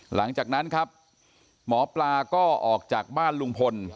หลังจากนั้นครับหมอปลาก็ออกจากบ้านลุงพล